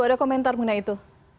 ada komentar mengenai itu